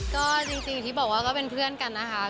ก็จริงอย่างที่บอกว่าก็เป็นเพื่อนกันนะคะ